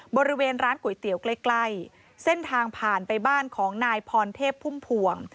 บริเวณร้านก๋วยเตี๋ยวใกล้ใกล้เส้นทางผ่านไปบ้านของนายพรเทพพุ่มพวง